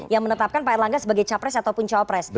yang menetapkan pak erlangga sebagai capres ataupun cawapres